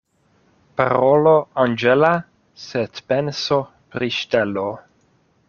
Parolo anĝela, sed penso pri ŝtelo.